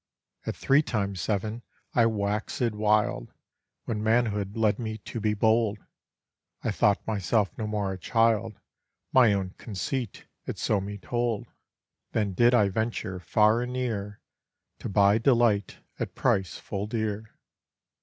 At three times seven I waxèd wild, When manhood led me to be bold; I thought myself no more a child, My own conceit it so me told: Then did I venture far and near, To buy delight at price full dear.